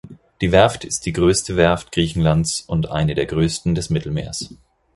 Die Werft ist die größte Werft Griechenlands und eine der größten des Mittelmeers.